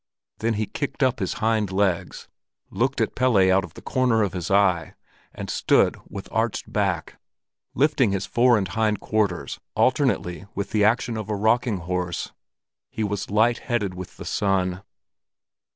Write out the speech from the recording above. Then he kicked up his hind legs, looked at Pelle out of the corner of his eye, and stood with arched back, lifting his fore and hindquarters alternately with the action of a rocking horse. He was light headed with the sun.